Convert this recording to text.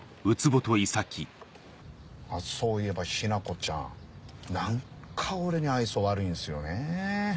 そういえばヒナコちゃん何か俺に愛想悪いんすよね。